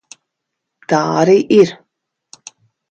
Tā arī ir.